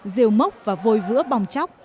rêu mốc và vội vữa bong chóc